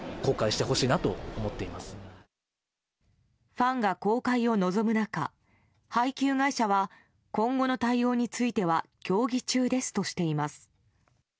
ファンが公開を望む中配給会社は今後の対応については協議中ですとしています。